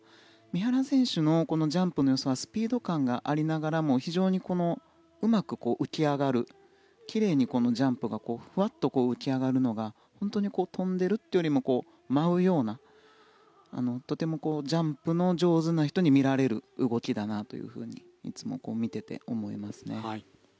三原選手のジャンプのよさはスピード感がありながらも非常にうまく浮き上がる奇麗にジャンプがふわっと浮き上がるのが本当に跳んでるというよりも舞うようなとてもジャンプの上手な人に見られる動きだなといつも見ていて思いますね。